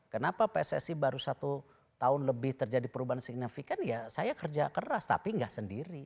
kenapa pssi baru satu tahun lebih terjadi perubahan signifikan ya saya kerja keras tapi nggak sendiri